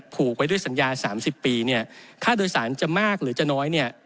ผูกไว้ด้วยสัญญา๓๐ปีค่าโดยสารจะมากหรือจะน้อย